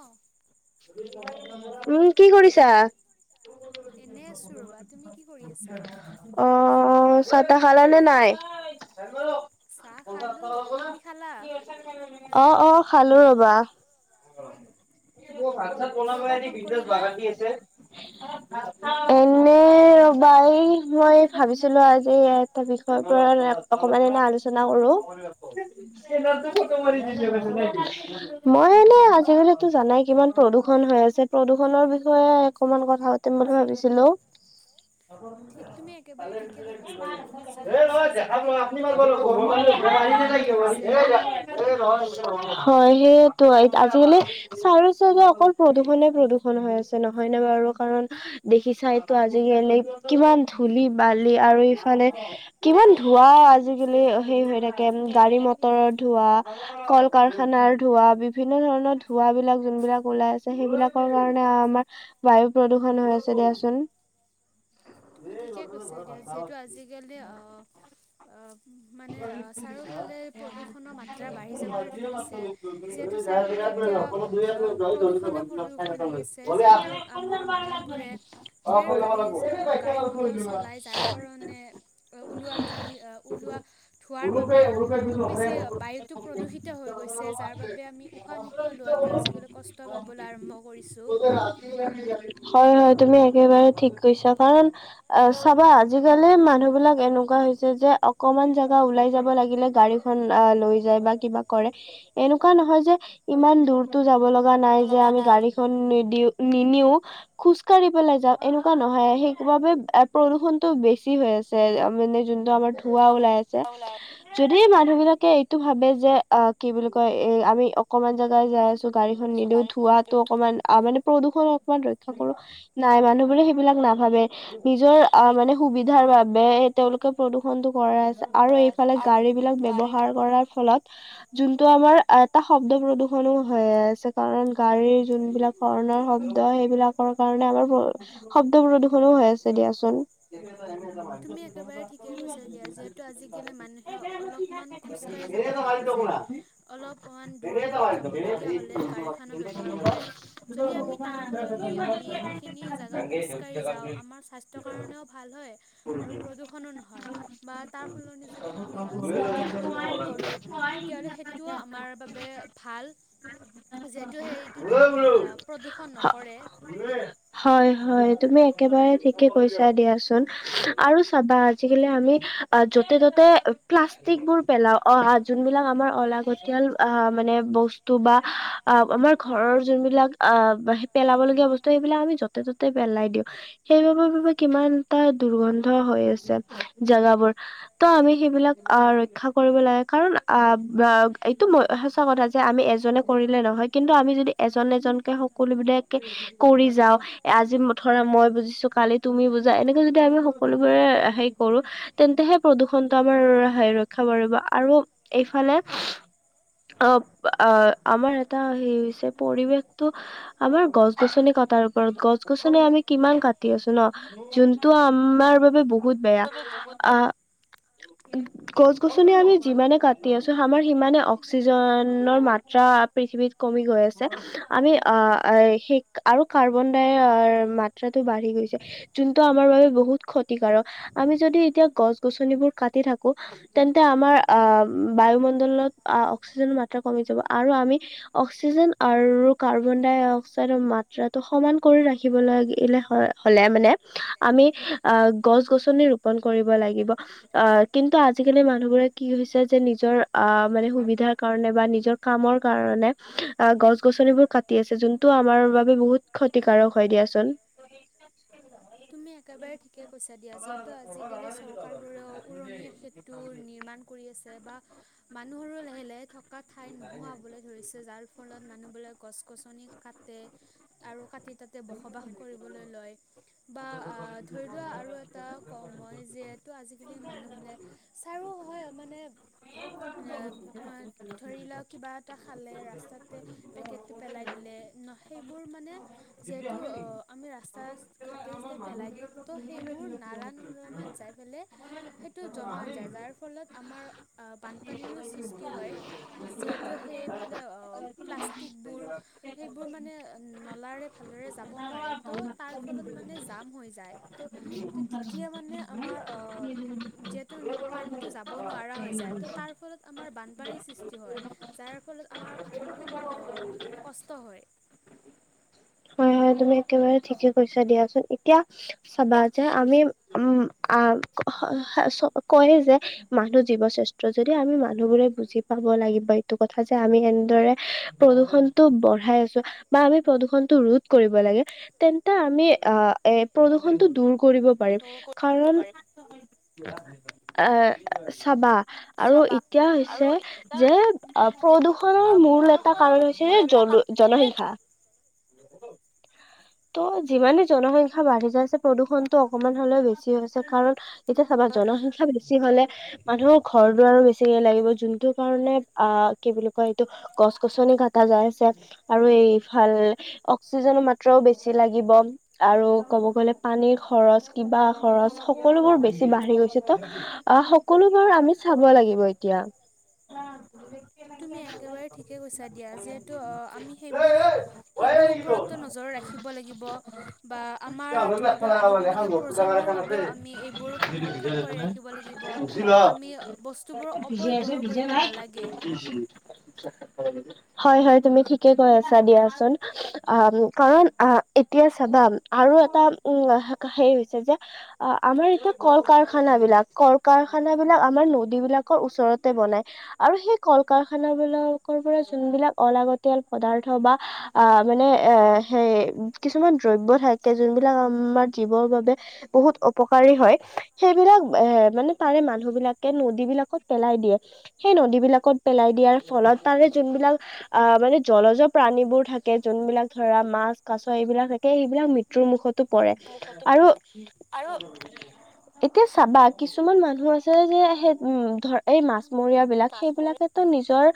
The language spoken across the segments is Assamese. অ' উম কি কৰিছা? এনে আছো ৰ'বা তুমি কি কৰি আছা? অ'। চাতা খালানে নাই? চাহ খালো তুমি খালা? [unintelligible] অ', অ', খালো ৰ'বা। অ', ভাত চাত কিয় বা বনামৰি ফোন [unintelligible] কৰিলা বাগান দি আছে এনে ৰ'বাই, মই ভাবিছিলো আজি এটা বিষয়ৰ পৰা অকমান এনে আলোচনা কৰোঁ। কিবা বিষয়? মই এনে আজিকালোটো জানাই। কিমান প্ৰদূষন হৈ আছে প্ৰদূষনৰ বিষয়ে অকমান কথা পাতিম বুলি ভাবিছিলো। ঠিক তুমি একেবাৰে ঠিকে ভাবিছা যে যিহেতু নহয় আজিকালি দেখাৱা আপনি ম প্ৰদূষণটো দিনক দিনে বাঢ়ি আহিব ধৰিছে। [unintelligible] হয় সেইটো আজিকালি চাৰ অকল প্ৰদূষনে প্ৰদূষন হৈ আছে নহয় নে বাৰু কাৰণ দেখি চাইতো আজিকালি। কিমান ধূলি বালি আৰু ইফালে কিমান ধোৱা আজি সেই হৈ থাকে সেই হৈ গাড়ী থাকে মটৰৰ ধোঁৱা কল কাৰখানাৰ ধোঁৱা বিভিন্ন ধৰণৰ ধোঁৱা বিলাক যোনবিলাক ওলাই আছে সেইবিলাকৰ কাৰণে আমাৰ বায়ু প্ৰদূষন হৈ আছে দিয়াচোন। উ। তুমি ঠিকে কৈছা দিয়া যিহেতু আজিকালি মানে চাৰিওফালে প্ৰদূষণৰ মাত্ৰা বাঢ়ি যাবলৈ ধৰিছে যিহেতু চাৰিফালে [unintelligible] প্ৰদূষণ হৈ গৈছে যিহেতু আমাৰ অ মানুহবোৰে ঢেৰ গাড়ী চা- গাড়ী [unintelligible] মটৰ চলাই যাৰ কাৰণে ওলোৱা ধূলি আহ ওলোৱা ধোঁৱাৰ বাবে খুব বেছি বায়ুটো প্ৰদূষিত হৈ গৈছে যাৰ বাবে আমি উশাহ নিশাহ লোৱা আজিকালি কষ্ট পাবলৈ আৰম্ভ কৰিছোঁ। হয় হয় তুমি একেবাৰে ঠিক কৈছা কাৰণ অ চাবা আজিকালি মানুহ বিলাক এনেকুৱা হৈছে যে অকমান জ ওলাই যাব লাগিলে গাড়ীখন লৈ যায় বা কিবা কৰে এনেকুৱা নহয় যে ইমান দূৰতো যাব লগা নাই যে লগা আমি নাই গাড়ী খন নিদিও নিনিও খোজ কঢ়ি পেলাই যাও এনেকুৱা নহয় সেইবাবে প্ৰদূষণতটো বেছি হৈ আ আছে মানে যোনটো আমাৰ ধোঁৱা ওলাই আছে কল [unintelligible] সেই মানুহ বিলাকে এইটো ভাবে যে অ', কি বুলি কয় এ আমি অকনমান জেগাই যাই আছো গাড়ীখন আছো নিদিও ধোৱাতো গাড়ী অকনমান মানে প্ৰদূষণ অকমান ৰক্ষা কৰো নাই মানুহ বোৰে সেইবিলাক নাভাবে। নিজৰ অ মানে সুবিধাৰ বাবে তেওঁলোকে প্ৰদূষণটো কৰাই আছ আৰু এইফালে গাড়ী বিলাক ব্যৱহাৰ কৰাৰ ফলত যোনটো আমাৰ এটা শব্দ প্ৰদূষনো হৈ আছে কাৰণ গাড়ীৰ যোনবিলাক হৰ্ণ শব্দ সেইবিলাকৰ কাৰণে আমাৰ, শব্দ প্ৰদূৰ্ষনো হৈ আছে দিয়াচোন। তুমি একেবাৰে ঠিকেই কৈছা দিয়া [unintelligible] [unintelligible] মানুহে অলপমান খোজ কাঢ়ি যাবই নোখোজে, অলপমান দূৰত যাবলে [unintelligible] গাডী খনে ব্যৱহাৰ কৰে, যদি আমি তাৰ সলনি আমি সেইখিনি জেগা খোজ কাঢ়ি যাওঁ, আমাৰ স্বাস্থ্যৰ কাৰণেও ভাল হয় আৰু প্ৰদূষনো নহয়। [unintelligible] চাইকেল ব্যৱহাৰ কৰো, তেতিয়াহলে সেইটো আমাৰ বাবে ভাল যিতু সেইটো আমাৰ প্ৰদূষণ নকৰে। হয় হয়। তুমি একেবাৰে ঠিকে কৈছা দিয়াচোন আৰু চাবা আজিকালি আমি অ', য'তে ত'তে প্লাষ্টিক বোৰ পেলাও অক, যোনবিলাক আমাৰ অলাগতিয়াল আহ, মানে বস্তু বা অ', আমাৰ ঘৰৰ যোনবিলাক অ', পেলাবলগীয়া বস্তু সেইবিলাক আমি য পেলাই দিও, সেইবাবে বাবে [unintelligible] কিমান এটা দুৰ্গন্ধ হৈ আছে জোগাবোৰ ত আমি সেইবিলাক আহ, ৰক্ষা কৰিব লাগে কাৰণ আহ, এইটোই সচা কথা যে আমি এজনে কৰিলে নহয় কিন্তু আমি যদি এজন এজনকে সকলো বিলাকে কৰি যাওঁ আজি ধৰা মই বুজিছো, কালি তুমি বুজা এনেকে যদি আমি সকলোবোৰে হেৰি কৰো তেন্তেহে প্ৰদূষণটো আমাৰ ৰক্ষা পৰিব আৰু এইফালে অ', আ, আমাৰ এটা হেই হৈছে পৰিৱেশটো আমাৰ গছ গছনি ক তাৰ ওপৰত গছ গছনি আমি কিমান কাটি আছো ন, যোনটো আমাৰ বাবে ব বহুত বেয়া। বাবে বহুত বে [inaudible] গছ গছনি আমি যিমানে কাটি আছো আমাৰ সিমানে অক্সিজেনৰ মাত্ৰা পৃথিৱীত কমি গৈ আছে, আমি [unintelligible] আৰু কাৰ্বন ডাইৰ মাত্ৰা বাঢ়ি গৈছে, যোনটো আমাৰ বাবে বহুত ক্ষতিকাৰক, আমি যদি এতিয়া গছ-গছনিবোৰ কাটি থাকো তেন্তে আমাৰ অ, বায়ুমণ্ডলত অ, অক্সিজেন মাত্ৰা কমি যাব আৰু আমি অক্ষিজেন আৰু কাৰ্বন ডাই অক্সাইৰ মাত্ৰাটো সমান কৰি ৰাখিব লাগিলে হয় হলে মানে আমি অ, গছ - গছনি ৰোপণ কৰিব ৰিব লাগিব অ, কিন্তু আজিকালি মানুহবোৰে কি হৈছে যে নিজৰ আহ মানে সুবিধাৰ কাৰণে এ বা নিজৰ কৰ কাৰে আহ গছ-গছনিবোৰ কাটি আছে যোনটো আমাৰ বাবে বহুত ক্ষতি কাৰক হয় দিয়াচোন [unintelligible] তুমি একেবাৰে ঠিকে কৈছা দিয়া যিহেতু আজিকালি চৰ কাৰ বোৰেও উৰণীয়া সেঁতুৰ নিৰ্মাণ কৰি আছে বা মানুহৰোঁ লাহে-লাহে থক থকা ঠাই নোহাৱা হবলৈ ধৰিছে যাৰ ফলত মানুহবোলে গছ গছনি কাটে আৰু কাটি তাতে বসবাস কৰিবলৈ লয় বা অ, ধৰি লোৱা আৰু এটা কওঁ মই যিহেতু আজি [unintelligible] মানুহ বোলে ছাৰো হয় মানে [unintelligible] অ, ধৰি লও কিবা এটা খালে ৰাস্তাতে পেকেটটো পেলাই দিলে ন' সেইবোৰ মানে যিহেতু অ, আমি ৰাস্তাত [unintelligible] এতিয়া যেতিয়া পেলাই দিওঁ ত' সেইবোৰ নালা নৰ্দমাত যাই পেলে সেইটো জমা হৈ যায় যাৰ ফল ফলত আমাৰ আ বানপানীৰো চিষ্টি হয় যিহেতু হেই মানে অ, প্লাছ স্তিকবোৰ সেইবোৰ মানে নলাৰে ভালদৰে যাব নোৱাৰে ত ' তাৰফলত মানে জাম হৈ যায় ত'- ত'তেতিয়া মানে আমাৰ অহ যিহেতু পানীতো যাব নোৱাৰা হৈ যায় ত' তাৰ ফলত আমাৰ বানপানীৰ সৃষ্টি হয় যাৰ ফলত আমাৰ বহুত অ, কষ্ট হয়। হয়। হয় তুমি একেবাৰে ঠিকে কৈছা দিয়াচোন এতিয়া চাবা যে আমি উম আহ হ হ কয় যে মানুহ জীৱ শ্ৰেষ্ঠ যদি আমি মানুহবোৰে বুজি পাওঁ। বুজিব লাগিব এইটো কথা যে আমি এনেদৰে প্ৰদূষণটো বঢ়াই আছো বা আমি প্ৰদূষুণটো ৰোধ কৰিব লাগে তেন্তে আমি আহ এ প্ৰদূষণটো দূৰ। কৰিব পাৰিম দূৰ কৰিব কাৰণ পাৰি এ চাবা, আৰু চাবা এতিয়া হৈছে আৰু এতিয়া যে হৈছে যে প্ৰদূষণৰ মূল এটা প্ৰদূষণৰ কাৰণ হৈছে মূল এটা য'ত কাৰণ জনসংখ্যা হৈছে ত' যিমানে জনসংখ্যা বাঢ়ি যাইছে প্ৰদূষণটো অকমান হলেও বেছি হৈছে কাৰণ এতিয়া চাবা জনসংখ্যা বেছি হলে মানুহৰ ঘৰ দুৱাৰো বেছিকে লাগিব যোনটো কাৰণে আ কি বুলি কয় এইটো গছ গছনি কটা যাই আছে আৰু এইফাল অক্সিজনৰ মাত্ৰাও বেছি লাগিব আৰু ক'ব গলে পানীৰ খৰচ কিবা খৰচ সকলোবোৰ বেছি বাঢ়ি গৈছে ত' আহ সকলোবোৰ আমি চাব লাগিব এতিয়া। অ তুমি একেবাৰেই ঠিকে কৈছা দিয়া যিহেতু আমি সেইবোৰো সেইবোৰ ওপৰত নজৰ ৰাখিব লাগিব বা আমাৰ ধৰি লোৱা আহিবলগীয়া প্ৰজন্মৰ বাবেও আমি সেইবোৰ সংৰক্ষণ কৰি ৰাখিব লাগিব আমি বস্তুুবোৰ ভিজাই আছে অপব্যৱহাৰ ভিজা কৰিব নাই। নালাগে। হয় হয় তুমি ঠিকে কৈ আছা দিয়াচোন। অ কাৰণ আহ এতিয়া চাবা আৰু এটা উম হে হৈছে যে, আমাৰ এতিয়া কল কাৰখানা বিলাক কল কাৰখান বিলাক আমাৰ নদী বিলাকৰ ওচৰতে বনাই আৰু সেই কল কাৰখানাবিলাক যোনবিলাক অলাগতিয়াল পদাৰ্থ বা মানে এ সেই কিছুমান দ্ৰব্য থাকে যোনবিলাক আমাৰ জীৱৰ বাবে বহুত অপকাৰী হয় সেইবিলাক এ মানে তাৰে মানুহ বিলাকে নদী বিলাকত পেলাই দিয়ে। সেই নদীবিলাকত পেলাই দিয়াৰ ফলত তাৰে যোনবিলাক আহ মানে জলজ প্ৰাণীবোৰ থাকে, থাকে যোন বিলাক ধৰা মাছ কাছ এইবিলাক থাকে এইবিলাক মৃত্যুৰ মুখত পৰে। মুখতো আৰু আৰু এতিয়া চাবা কিছুমান মানুহ আছে যে সেই উম ধৰ এই মাছ মৰিয়া বিলাক মাছমৰীয়া সেইবিলাকো নিজৰ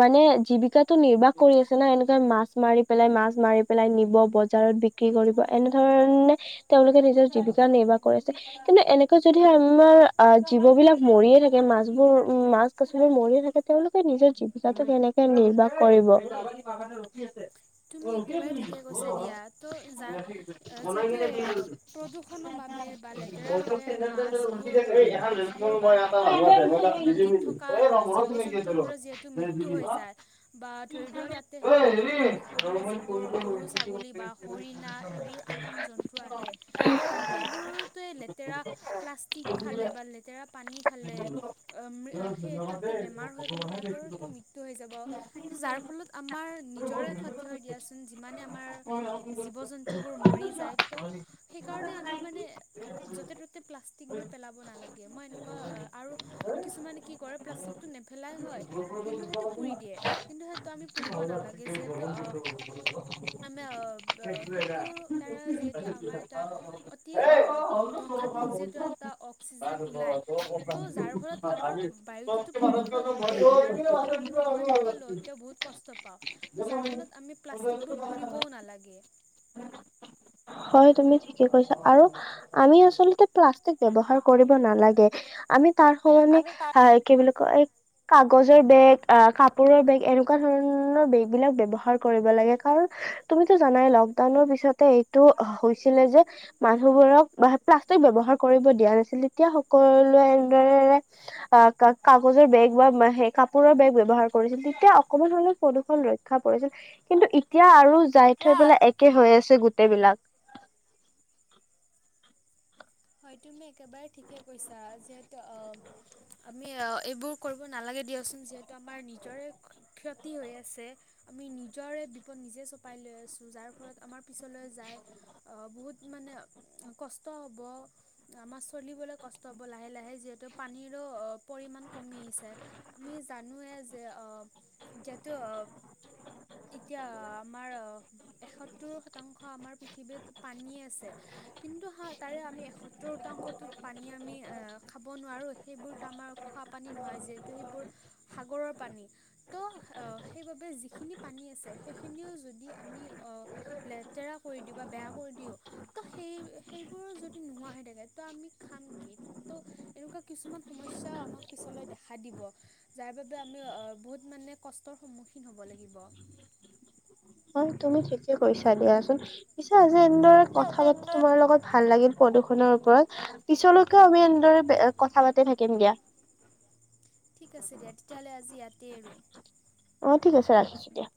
মানে জীৱিকাটো নিৰ্বাহ কৰি আছে না এনেকুৱা মাছ মাৰি পেলাই মাছ মাৰি পেলাই নিব বজাৰত বিক্ৰী কৰিব এনেধৰণে তেওঁলোকে নিজৰ জীৱ ন নিৰ্বাহ কৰিছে কিন্তু এনেকৈ যদি আমাৰ আহ জীৱ বিলাক মৰিয়ে থাকে মাছবোৰ মাছ কাছ মৰি থাকে তেওঁলোকে নিজৰ জীৱিকাটো কেনেকে নিৰ্বাহ কৰিব। তুমি একেবাৰে ঠিকে কৈছা দিয়া ত' যাৰ যিহেতু প্ৰদূষনৰৰ বাবে বা লেতেৰা বাবে মাছবোৰ মাছবোৰ বা আন নদীত থকা জীৱ জন্তুুবোৰ যিহেতু মৃত্যু হৈ যায় বা ধৰিলোৱা তাতে সেই নদী পানী খায় হৰিণা এইবোৰ [unintelligible] বোৰ টো এই লেতেৰা প্লাষ্টিক খালে, বা লেতেৰা পানী খালে সেই তাতে বেমাৰ হৈ পেলাই তাহাঁতৰটো মৃত্যু হৈ যাব যাৰ ফলত আমাৰ নিজৰে দিয়াচোন যিমানে আমাৰ জীৱ জন্তু বোৰ মৰি যায় ত সেইকাৰণে আমি মানে য'তে ত'তে প্লাষ্টিকবোৰ পেলাব নালাগে মই এনেকুৱা আৰু কিছুমানে কি কৰে প্লাষ্টিকটো নেপেলাই হয় কিন্তু সেইটো পুৰি দিয়ে কিন্তু সেইটো আমি পুৰিব নালাগে যিহেতু [unintelligible] আম অ সেইটোৰ দ্বাৰা যিহেতু আমাৰ এটা অতি ধবংস যিহেতু এটা অক্সিজেন ওলাই ত' যাৰ ফলত আমাৰ বায়ুটোতো প্ৰদূষণ হয়ে তাৰ লগতে আমি উশাহ নিশাহ লওঁতে তেওঁ বহুত কষ্ট পাওঁ। ত' যাৰ ফলত আমি প্লাষ্টিকবোৰ পুৰিবও নালাগে হয় তুমি ঠিকে কৈছা আৰু আমি আচলতে প্লাষ্টিক ব্যৱহাৰ কৰিব নালাগে, আমি তাৰ সমানে আমি তাত আহ কি বুলি কয় এক। কাগজৰ বেগ আহ কাপোৰৰ বেগ এনেকুৱা ধৰণৰ বেগ বিলাক ব্যৱহাৰ কৰিব লাগে কাৰণ তুমিতো জানাই লকডাউনৰ পিছতে এইটো হৈছিলে যে মানুহোৰ প্লাষ্টিক ব্যৱহাৰ কৰিব দিয়া নাছিল তেতিয়া সকলোৱে এ কাগজৰ বেগ বা সেই কাপোৰৰ বেগ ব্যৱহাৰ কৰিছিল তেতিয়া অকমান ধৰণৰ প্ৰদূৰণ ৰক্ষা পৰিছিল কিন্তু এতিয়া আৰু যাই থৈ এতিয়া পেলাই একে হৈ আছ গোটেইবিলাক হয় তুমি একেবাৰে ঠিকে কৈছা যে অ আমি অ এইবোৰ কৰিব নালাগে দিয়া চোন যিহেতু আমাৰ নিজৰে ক্ষতি হৈ আছে। আমি নিজৰে বিপদ নিজে চপাই লৈ আছ যাৰ ফলত আমাৰ পিছলৈ যাই অ বহুত মানে কষ্ট হব। আমাছ চলিবলৈ কষ্ট হ'ব লাহে লাহে যিহেতু পানীৰো পৰিমাণ কমি আহিছে আমি জানোৱে যে অহ যিহেতু অব এতিয়া আমাৰ এসত্তৰ শতাংশ আমাৰ পৃথিৱীত পানী আছে কিন্তু তাৰে আমি এসত্তৰ শতাংশটো পানী আমি খাব নোৱাৰো সেইবোৰতো আমাৰ খোৱা পানী নহয় যিহেতু সেইবোৰ সাগৰৰ পানী তো [inaudible] সেইবাবে যিখিনি পানী আছে সেইখিনিও যদি আমি লেতেৰা কৰি দিওঁ বা বেয়া অ কৰি দিওঁ ত সে সেইবোৰ য নোহোৱা হে তে গেত ত আমি খাম কি? ত এনেকুৱা কিছুমান সমস্যাও আমাক পিছলৈ দেখা দিব। যাৰ বাবে আমি বহুত মানে কষ্টৰ সন্মুখীন হ'ব লাগিব। [inaudible] হয় তুমি ঠিকে কৈছা দিয়াচোন, পিছে আজি এনেদৰে কথা পাতি তোমাৰ লগত ভাল লাগিল। প্ৰদূষনৰ ওপৰত পিছলৈকেও আমি এনেদৰে কথা পাতি থাকিম দিয়া। ঠিক আছে দিয়া তেতিয়াহ'লে আজি ইয়াতেই আৰু। অ' ঠিক আছে ৰাখিছোঁ দিয়া।